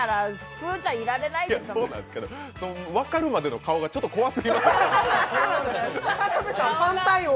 そうなんですけど、分かるまでの顔がちょっと怖すぎますよ。